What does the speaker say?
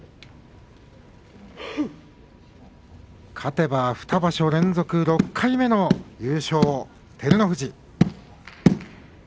勝てば２場所連続６回目の優勝照ノ富士。